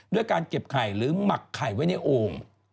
ด้วยการเก็บไข่หรือหมักไข่ไว้ในโอ่ง